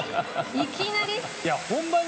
いきなり？